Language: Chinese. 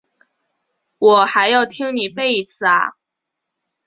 我还要听你背一次啊？